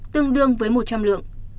tương đương với một trăm linh lượng